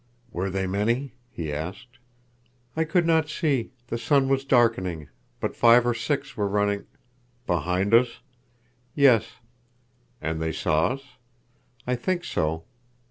"Were they many?" he asked. "I could not see. The sun was darkening. But five or six were running—" "Behind us?" "Yes." "And they saw us?" "I think so.